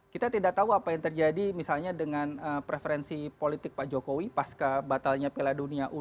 kita tidak tahu apa yang terjadi misalnya dengan preferensi politik pak jokowi pas ke batalnya piala dunia u dua puluh